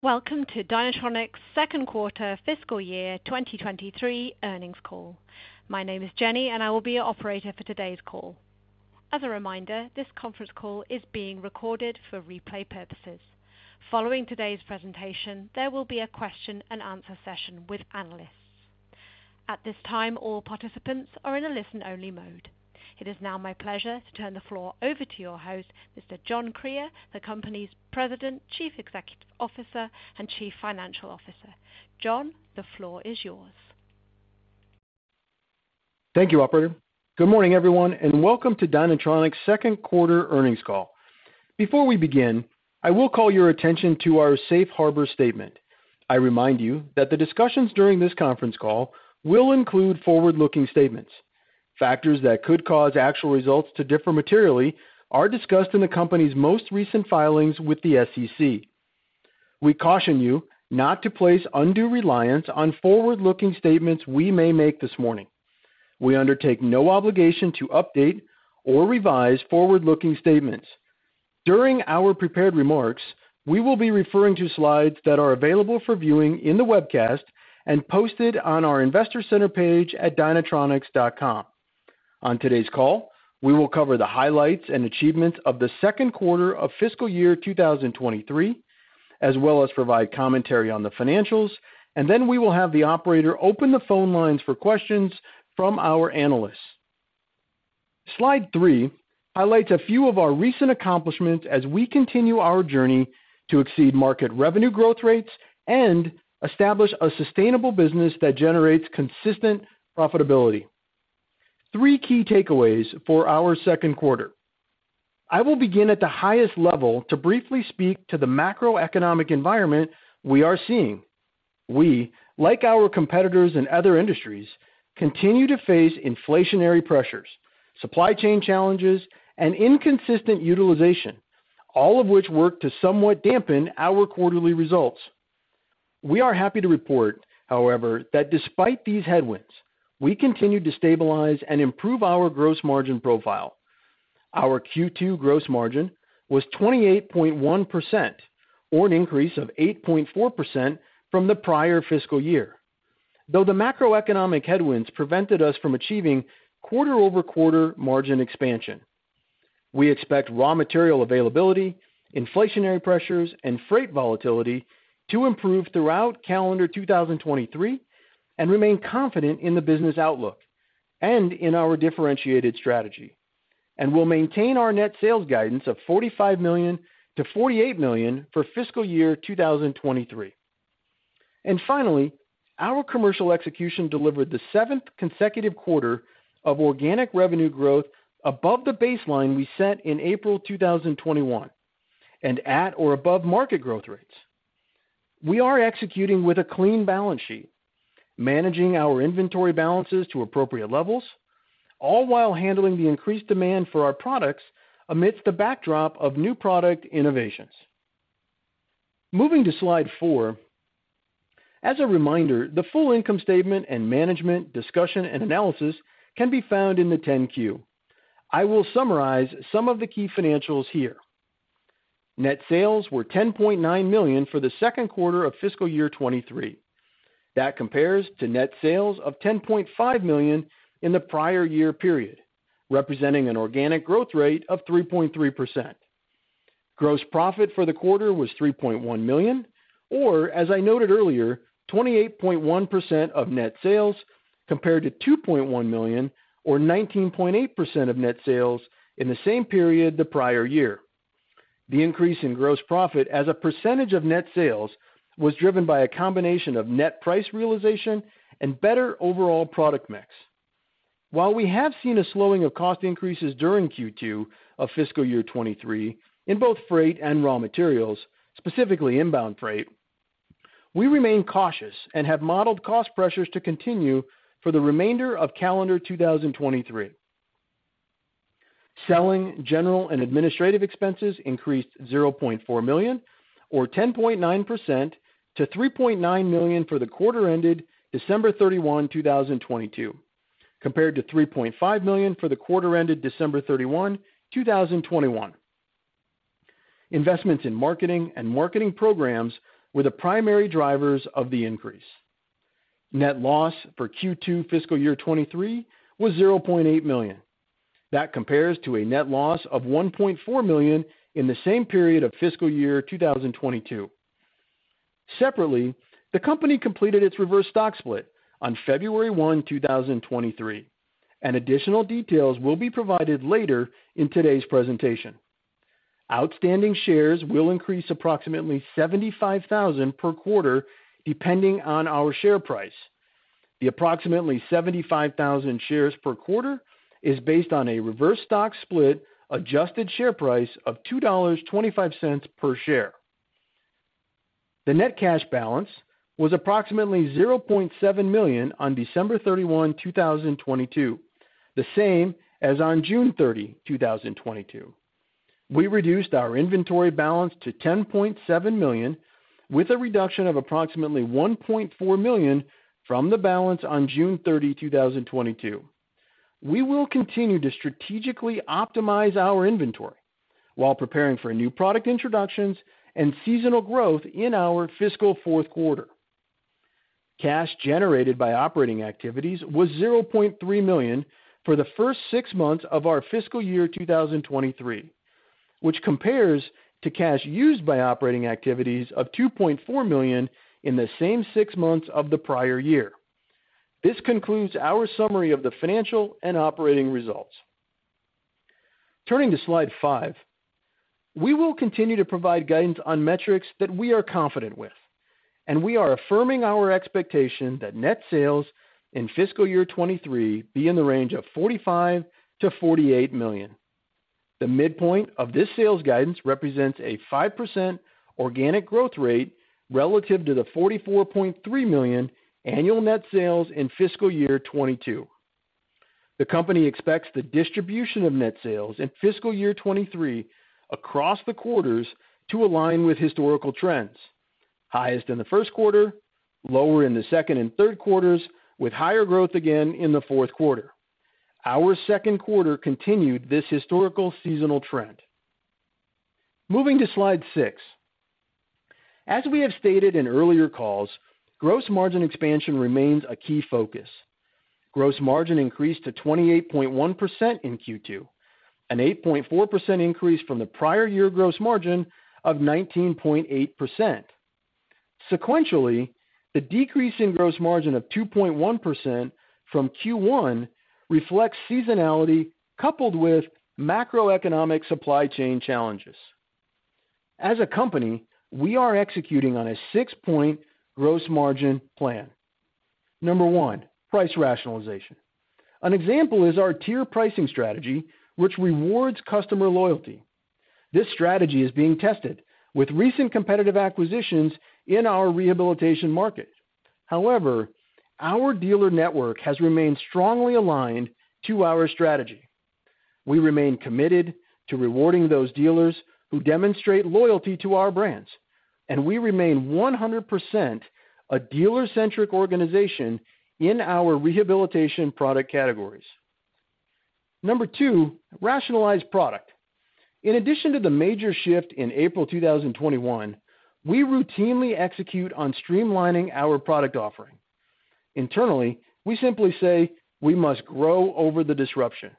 Welcome to Dynatronics' Second Quarter Fiscal Year 2023 earnings call. My name is Jenny, and I will be your operator for today's call. As a reminder, this conference call is being recorded for replay purposes. Following today's presentation, there will be a question and answer session with analysts. At this time, all participants are in a listen-only mode. It is now my pleasure to turn the floor over to your host, Mr. John Krier, the company's President, Chief Executive Officer, and Chief Financial Officer. John, the floor is yours. Thank you, operator. Good morning, everyone, welcome to Dynatronics' Second Quarter earnings call. Before we begin, I will call your attention to our safe harbor statement. I remind you that the discussions during this conference call will include forward-looking statements. Factors that could cause actual results to differ materially are discussed in the company's most recent filings with the SEC. We caution you not to place undue reliance on forward-looking statements we may make this morning. We undertake no obligation to update or revise forward-looking statements. During our prepared remarks, we will be referring to slides that are available for viewing in the webcast and posted on our investor center page at dynatronics.com. On today's call, we will cover the highlights and achievements of the second quarter of fiscal year 2023, as well as provide commentary on the financials, and then we will have the operator open the phone lines for questions from our analysts. Slide three highlights a few of our recent accomplishments as we continue our journey to exceed market revenue growth rates and establish a sustainable business that generates consistent profitability. Three key takeaways for our second quarter. I will begin at the highest level to briefly speak to the macroeconomic environment we are seeing. We, like our competitors in other industries, continue to face inflationary pressures, supply chain challenges, and inconsistent utilization, all of which work to somewhat dampen our quarterly results. We are happy to report, however, that despite these headwinds, we continued to stabilize and improve our gross margin profile. Our Q2 gross margin was 28.1% or an increase of 8.4% from the prior fiscal year, though the macroeconomic headwinds prevented us from achieving quarter-over-quarter margin expansion. We expect raw material availability, inflationary pressures, and freight volatility to improve throughout calendar 2023 and remain confident in the business outlook and in our differentiated strategy. We'll maintain our net sales guidance of $45 million-$48 million for fiscal year 2023. Finally, our commercial execution delivered the seventh consecutive quarter of organic revenue growth above the baseline we set in April 2021 and at or above market growth rates. We are executing with a clean balance sheet, managing our inventory balances to appropriate levels, all while handling the increased demand for our products amidst the backdrop of new product innovations. Moving to slide four. As a reminder, the full income statement and management discussion and analysis can be found in the 10-Q. I will summarize some of the key financials here. Net sales were $10.9 million for the second quarter of fiscal year 2023. That compares to net sales of $10.5 million in the prior year period, representing an organic growth rate of 3.3%. Gross profit for the quarter was $3.1 million, or as I noted earlier, 28.1% of net sales, compared to $2.1 million, or 19.8% of net sales in the same period the prior year. The increase in gross profit as a percentage of net sales was driven by a combination of net price realization and better overall product mix. While we have seen a slowing of cost increases during Q2 of fiscal year 2023 in both freight and raw materials, specifically inbound freight, we remain cautious and have modeled cost pressures to continue for the remainder of calendar 2023. Selling, general, and administrative expenses increased $0.4 million or 10.9% to $3.9 million for the quarter ended December 31, 2022, compared to $3.5 million for the quarter ended December 31, 2021. Investments in marketing and marketing programs were the primary drivers of the increase. Net loss for Q2 fiscal year 2023 was $0.8 million. That compares to a net loss of $1.4 million in the same period of fiscal year 2022. Separately, the company completed its reverse stock split on February 1, 2023. Additional details will be provided later in today's presentation. Outstanding shares will increase approximately 75,000 per quarter, depending on our share price. The approximately 75,000 shares per quarter is based on a reverse stock split Adjusted share price of $2.25 per share. The net cash balance was approximately $0.7 million on December 31, 2022, the same as on June 30, 2022. We reduced our inventory balance to $10.7 million, with a reduction of approximately $1.4 million from the balance on June 30, 2022. We will continue to strategically optimize our inventory while preparing for new product introductions and seasonal growth in our fiscal fourth quarter. Cash generated by operating activities was $0.3 million for the first six months of our fiscal year 2023, which compares to cash used by operating activities of $2.4 million in the same six months of the prior year. This concludes our summary of the financial and operating results. Turning to slide five, we will continue to provide guidance on metrics that we are confident with, and we are affirming our expectation that net sales in fiscal year 2023 be in the range of $45 million-$48 million. The midpoint of this sales guidance represents a 5% organic growth rate relative to the $44.3 million annual net sales in fiscal year 2022. The company expects the distribution of net sales in fiscal year 2023 across the quarters to align with historical trends. Highest in the first quarter, lower in the second and third quarters, with higher growth again in the fourth quarter. Our second quarter continued this historical seasonal trend. Moving to slide six. As we have stated in earlier calls, gross margin expansion remains a key focus. Gross margin increased to 28.1% in Q2, an 8.4% increase from the prior year gross margin of 19.8%. Sequentially, the decrease in gross margin of 2.1% from Q1 reflects seasonality coupled with macroeconomic supply chain challenges. As a company, we are executing on a six point gross margin plan. Number one, price rationalization. An example is our tier pricing strategy, which rewards customer loyalty. This strategy is being tested with recent competitive acquisitions in our rehabilitation market. Our dealer network has remained strongly aligned to our strategy. We remain committed to rewarding those dealers who demonstrate loyalty to our brands, and we remain 100% a dealer-centric organization in our rehabilitation product categories. Number two, rationalize product. In addition to the major shift in April 2021, we routinely execute on streamlining our product offering. Internally, we simply say we must grow over the disruption.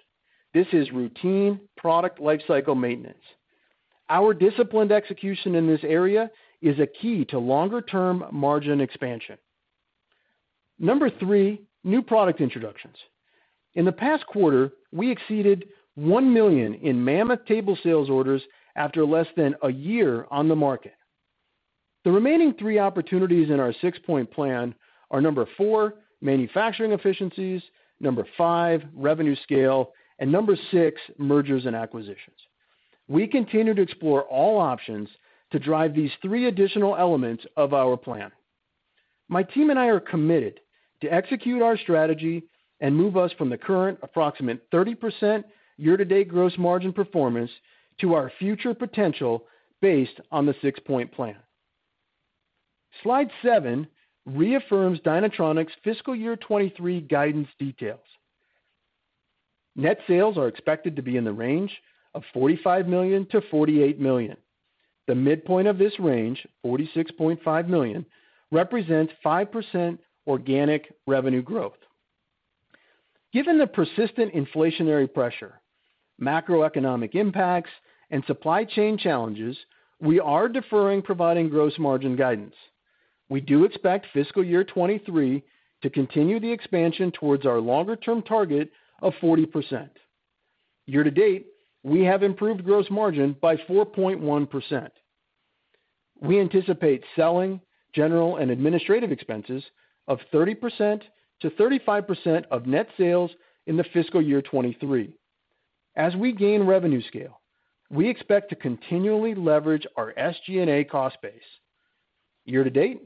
This is routine product lifecycle maintenance. Our disciplined execution in this area is a key to longer-term margin expansion. Number three, new product introductions. In the past quarter, we exceeded $1 million in Mammoth table sales orders after less than a year on the market. The remaining three opportunities in our six-point plan are number four, manufacturing efficiencies, number five, revenue scale, and number six, mergers and acquisitions. We continue to explore all options to drive these three additional elements of our plan. My team and I are committed to execute our strategy and move us from the current approximate 30% year-to-date gross margin performance to our future potential based on the six-point plan. Slide seven reaffirms Dynatronics' fiscal year 2023 guidance details. Net sales are expected to be in the range of $45 million-$48 million. The midpoint of this range, $46.5 million, represents 5% organic revenue growth. Given the persistent inflationary pressure, macroeconomic impacts, and supply chain challenges, we are deferring providing gross margin guidance. We do expect fiscal year 2023 to continue the expansion towards our longer-term target of 40%. Year to date, we have improved gross margin by 4.1%. We anticipate selling, general, and administrative expenses of 30%-35% of net sales in the fiscal year 2023. As we gain revenue scale, we expect to continually leverage our SG&A cost base. Year to date,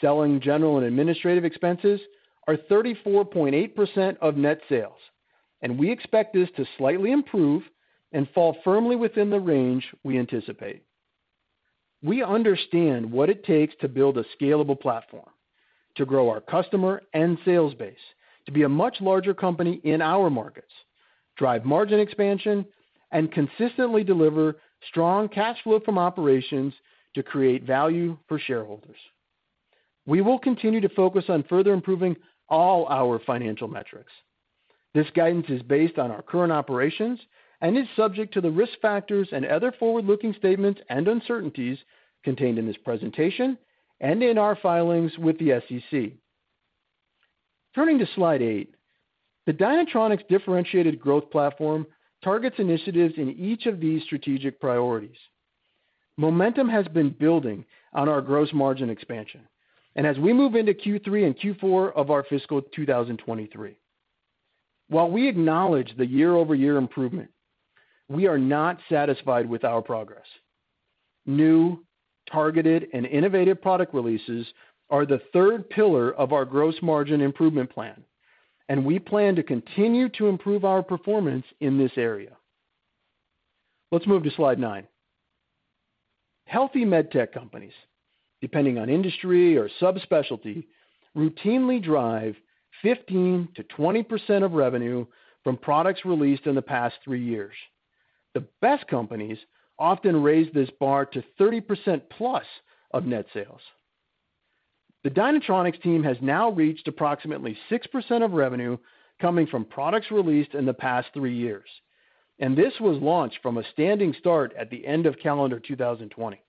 selling general and administrative expenses are 34.8% of net sales, and we expect this to slightly improve and fall firmly within the range we anticipate. We understand what it takes to build a scalable platform to grow our customer and sales base to be a much larger company in our markets, drive margin expansion, and consistently deliver strong cash flow from operations to create value for shareholders. We will continue to focus on further improving all our financial metrics. This guidance is based on our current operations and is subject to the risk factors and other forward-looking statements and uncertainties contained in this presentation and in our filings with the SEC. Turning to slide eight, the Dynatronics differentiated growth platform targets initiatives in each of these strategic priorities. Momentum has been building on our gross margin expansion as we move into Q3 and Q4 of our fiscal 2023. While we acknowledge the year-over-year improvement, we are not satisfied with our progress. New, targeted, and innovative product releases are the third pillar of our gross margin improvement plan, we plan to continue to improve our performance in this area. Let's move to slide nine. Healthy medtech companies, depending on industry or subspecialty, routinely drive 15%-20% of revenue from products released in the past three years. The best companies often raise this bar to 30%+ of net sales. The Dynatronics team has now reached approximately 6% of revenue coming from products released in the past three years, this was launched from a standing start at the end of calendar 2020.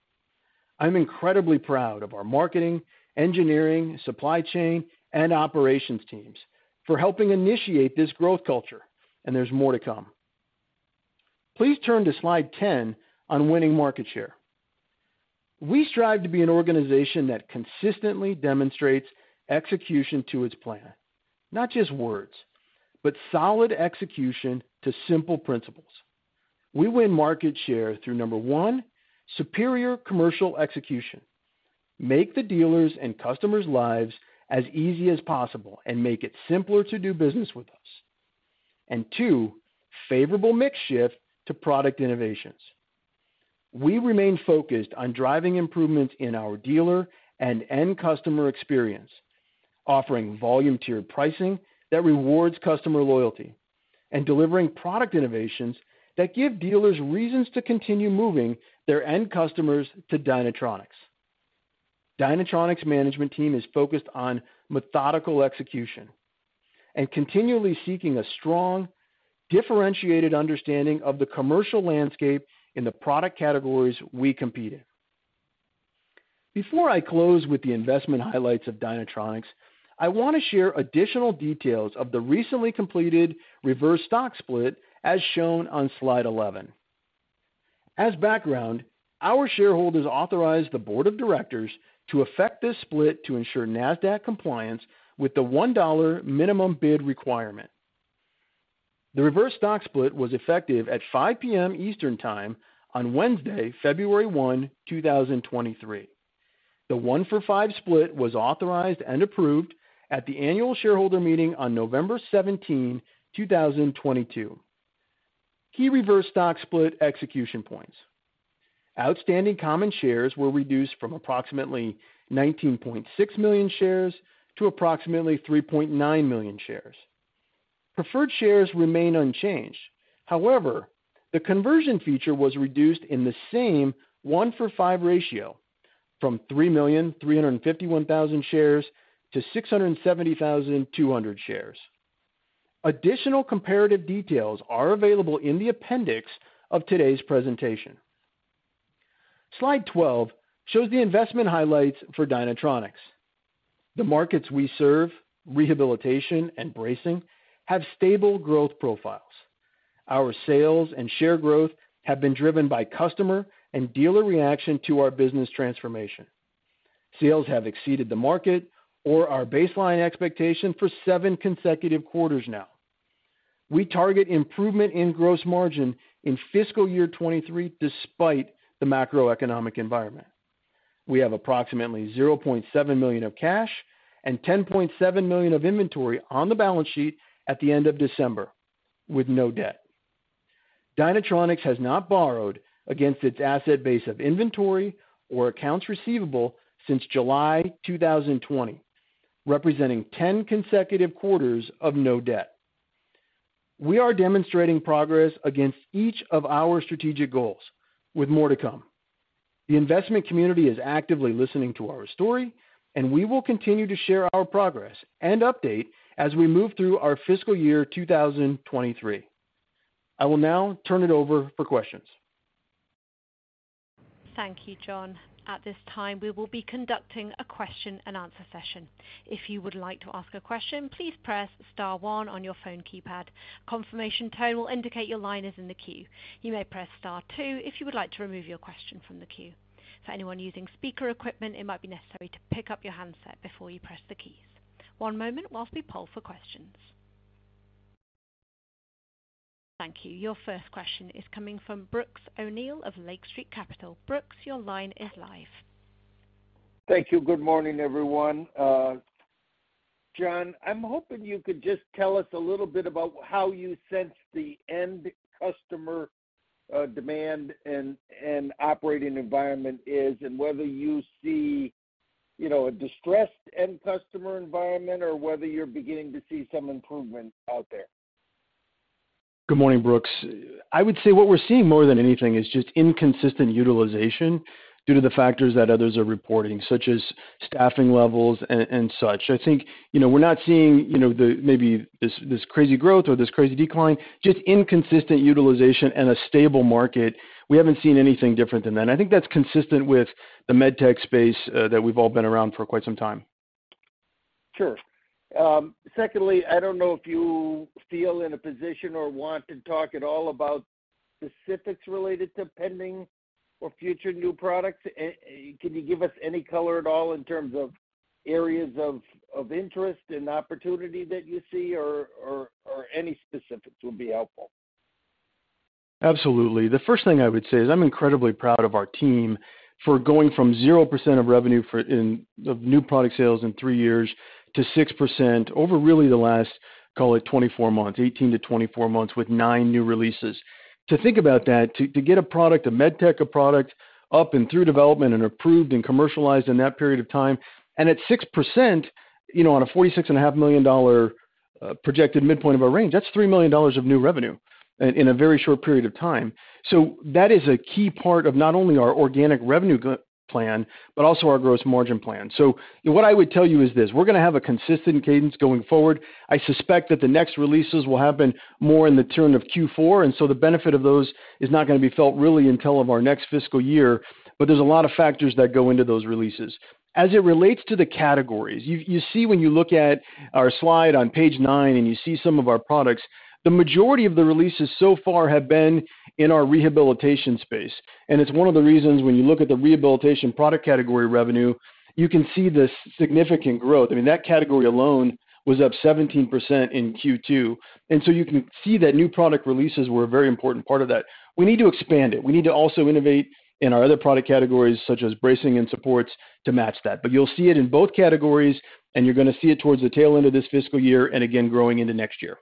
I'm incredibly proud of our marketing, engineering, supply chain, and operations teams for helping initiate this growth culture, and there's more to come. Please turn to slide 10 on winning market share. We strive to be an organization that consistently demonstrates execution to its plan, not just words, but solid execution to simple principles. We win market share through, number one, superior commercial execution. Make the dealers' and customers' lives as easy as possible and make it simpler to do business with us. Two, favorable mix shift to product innovations. We remain focused on driving improvements in our dealer and end customer experience, offering volume tiered pricing that rewards customer loyalty and delivering product innovations that give dealers reasons to continue moving their end customers to Dynatronics. Dynatronics' management team is focused on methodical execution and continually seeking a strong, differentiated understanding of the commercial landscape in the product categories we compete in. Before I close with the investment highlights of Dynatronics, I want to share additional details of the recently completed reverse stock split as shown on slide 11. As background, our shareholders authorized the board of directors to affect this split to ensure Nasdaq compliance with the $1 minimum bid requirement. The reverse stock split was effective at 5:00 P.M. Eastern Time on Wednesday, February 1, 2023. The one for five split was authorized and approved at the annual shareholder meeting on November 17, 2022. Key reverse stock split execution points. Outstanding common shares were reduced from approximately 19.6 million shares to approximately 3.9 million shares. Preferred shares remain unchanged. However, the conversion feature was reduced in the same one for five ratio from 3,351,000 shares to 670,200 shares. Additional comparative details are available in the appendix of today's presentation. Slide 12 shows the investment highlights for Dynatronics. The markets we serve, rehabilitation and bracing, have stable growth profiles. Our sales and share growth have been driven by customer and dealer reaction to our business transformation. Sales have exceeded the market or our baseline expectation for seven consecutive quarters now. We target improvement in gross margin in fiscal year 2023 despite the macroeconomic environment. We have approximately $0.7 million of cash and $10.7 million of inventory on the balance sheet at the end of December with no debt. Dynatronics has not borrowed against its asset base of inventory or accounts receivable since July 2020, representing 10 consecutive quarters of no debt. We are demonstrating progress against each of our strategic goals with more to come. The investment community is actively listening to our story, and we will continue to share our progress and update as we move through our fiscal year 2023. I will now turn it over for questions. Thank you, John. At this time, we will be conducting a question and answer session. If you would like to ask a question, please press star one on your phone keypad. Confirmation tone will indicate your line is in the queue. You may press star two if you would like to remove your question from the queue. For anyone using speaker equipment, it might be necessary to pick up your handset before you press the keys. One moment while we poll for questions. Thank you. Your first question is coming from Brooks O'Neil of Lake Street Capital. Brooks, your line is live. Thank you. Good morning, everyone. John, I'm hoping you could just tell us a little bit about how you sense the end customer, demand and operating environment is, and whether you see, you know, a distressed end customer environment or whether you're beginning to see some improvement out there? Good morning, Brooks. I would say what we're seeing more than anything is just inconsistent utilization due to the factors that others are reporting, such as staffing levels and such. I think, you know, we're not seeing, you know, maybe this crazy growth or this crazy decline, just inconsistent utilization and a stable market. We haven't seen anything different than that. I think that's consistent with the medtech space that we've all been around for quite some time. Sure. Secondly, I don't know if you feel in a position or want to talk at all about specifics related to pending or future new products. Can you give us any color at all in terms of areas of interest and opportunity that you see or any specifics would be helpful? Absolutely. The first thing I would say is I'm incredibly proud of our team for going from 0% of revenue of new product sales in three years to 6% over really the last, call it, 24 months, 18-24 months, with nine new releases. To think about that, to get a product, a medtech, a product up and through development and approved and commercialized in that period of time. At 6%, you know, on a $46 and a half million dollar projected midpoint of our range, that's $3 million of new revenue in a very short period of time. That is a key part of not only our organic revenue plan, but also our gross margin plan. What I would tell you is this, we're gonna have a consistent cadence going forward. I suspect that the next releases will happen more in the turn of Q4, and so the benefit of those is not gonna be felt really until of our next fiscal year, but there's a lot of factors that go into those releases. As it relates to the categories, you see when you look at our slide on page nine and you see some of our products, the majority of the releases so far have been in our rehabilitation space. It's one of the reasons when you look at the rehabilitation product category revenue, you can see this significant growth. I mean, that category alone was up 17% in Q2. You can see that new product releases were a very important part of that. We need to expand it. We need to also innovate in our other product categories, such as bracing and supports, to match that. You'll see it in both categories, and you're going to see it towards the tail end of this fiscal year and again growing into next year.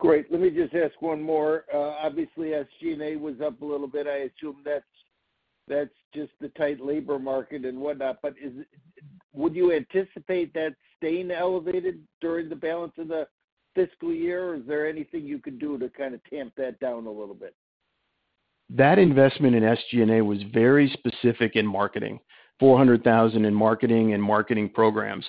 Great. Let me just ask one more. Obviously, SG&A was up a little bit. I assume that's just the tight labor market and whatnot. Would you anticipate that staying elevated during the balance of the fiscal year? Is there anything you could do to kinda tamp that down a little bit? That investment in SG&A was very specific in marketing, $400,000 in marketing and marketing programs.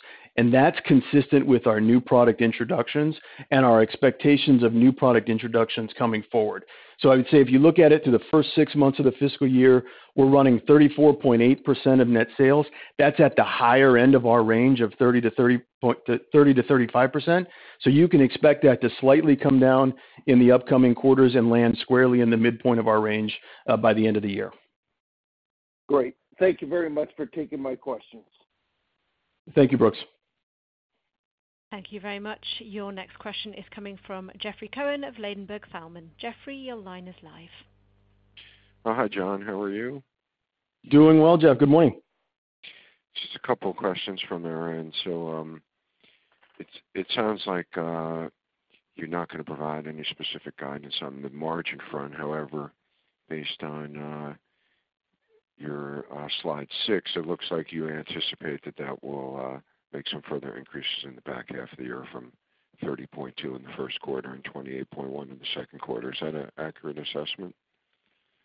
That's consistent with our new product introductions and our expectations of new product introductions coming forward. I would say, if you look at it through the first six months of the fiscal year, we're running 34.8% of net sales. That's at the higher end of our range of 30%-35%. You can expect that to slightly come down in the upcoming quarters and land squarely in the midpoint of our range by the end of the year. Great. Thank you very much for taking my questions. Thank you, Brooks. Thank you very much. Your next question is coming from Jeffrey Cohen of Ladenburg Thalmann. Jeffrey, your line is live. Oh, hi, John. How are you? Doing well, Jeff. Good morning. Just a couple questions from our end. It sounds like you're not gonna provide any specific guidance on the margin front. However, based on your slide six, it looks like you anticipate that will make some further increases in the back half of the year from 30.2% in the first quarter and 28.1% in the second quarter. Is that an accurate assessment?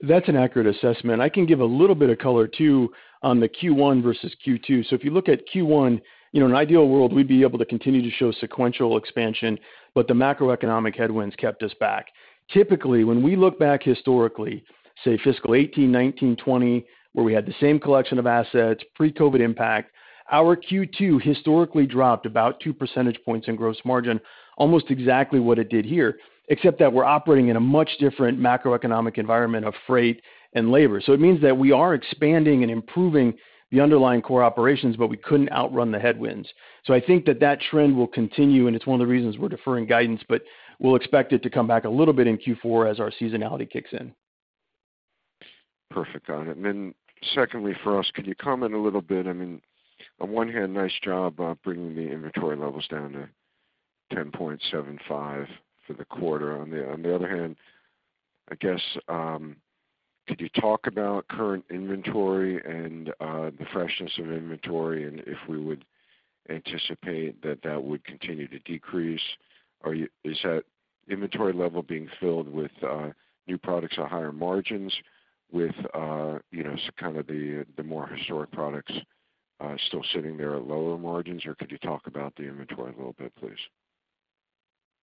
That's an accurate assessment. I can give a little bit of color too on the Q1 versus Q2. If you look at Q1, you know, in an ideal world, we'd be able to continue to show sequential expansion, but the macroeconomic headwinds kept us back. Typically, when we look back historically, say fiscal 18, 19, 20, where we had the same collection of assets, pre-COVID impact, our Q2 historically dropped about two percentage points in gross margin, almost exactly what it did here, except that we're operating in a much different macroeconomic environment of freight and labor. It means that we are expanding and improving the underlying core operations, but we couldn't outrun the headwinds. I think that that trend will continue, and it's one of the reasons we're deferring guidance, but we'll expect it to come back a little bit in Q4 as our seasonality kicks in. Perfect. Got it. And then secondly, for us, can you comment a little bit... I mean, on one hand, nice job, bringing the inventory levels down to 10.75 for the quarter. On the, on the other hand, I guess, could you talk about current inventory and the freshness of inventory and if we would anticipate that that would continue to decrease? Is that inventory level being filled with new products at higher margins with, you know, kind of the more historic products, still sitting there at lower margins, or could you talk about the inventory a little bit, please?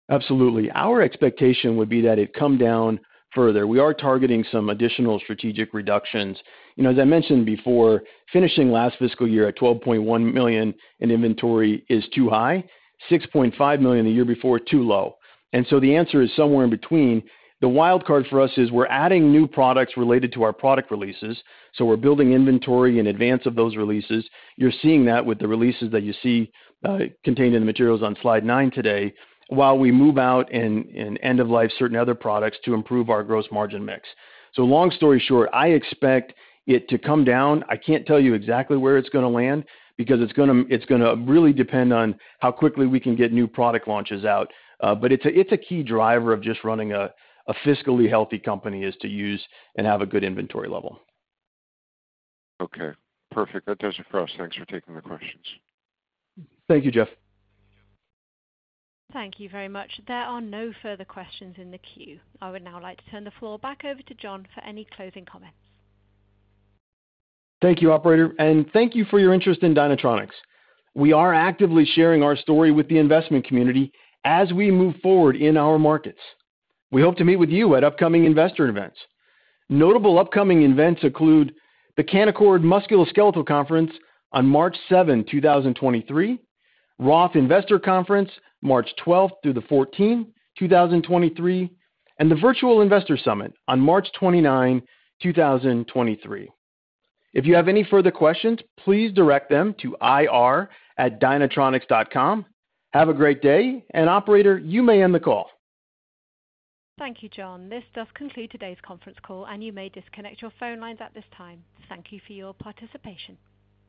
Absolutely. Our expectation would be that it come down further. We are targeting some additional strategic reductions. You know, as I mentioned before, finishing last fiscal year at $12.1 million in inventory is too high, $6.5 million the year before, too low. The answer is somewhere in between. The wild card for us is we're adding new products related to our product releases, so we're building inventory in advance of those releases. You're seeing that with the releases that you see contained in the materials on slide nine today, while we move out and end of life certain other products to improve our gross margin mix. Long story short, I expect it to come down. I can't tell you exactly where it's gonna land because it's gonna really depend on how quickly we can get new product launches out. It's a, it's a key driver of just running a fiscally healthy company, is to use and have a good inventory level. Okay, perfect. That does it for us. Thanks for taking the questions. Thank you, Jeff. Thank you very much. There are no further questions in the queue. I would now like to turn the floor back over to John for any closing comments. Thank you, operator, and thank you for your interest in Dynatronics. We are actively sharing our story with the investment community as we move forward in our markets. We hope to meet with you at upcoming investor events. Notable upcoming events include the Canaccord Musculoskeletal Conference on March seventh, 2023, Roth Investor Conference, March 12th through the 14th, 2023, and the Virtual Investor Summit on March 29, 2023. If you have any further questions, please direct them to ir@dynatronics.com. Have a great day, and operator, you may end the call. Thank you, John. This does conclude today's conference call. You may disconnect your phone lines at this time. Thank you for your participation.